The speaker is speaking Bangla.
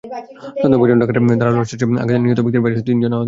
সন্দেহভাজন ডাকাতদের ধারালো অস্ত্রের আঘাতে নিহত ব্যক্তির ভাইসহ তিনজন আহত হয়েছেন।